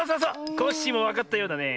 コッシーもわかったようだねえ。